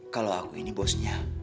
kalau aku ini bosnya